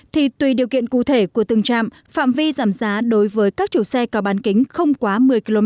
thì tùy điều kiện cụ thể của từng trạm phạm vi giảm giá đối với các chủ xe có bán kính không quá một mươi km